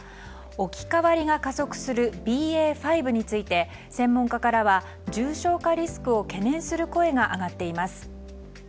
置き換わりが加速するＢＡ．５について専門家からは重症化リスクを懸念する声も上がっています。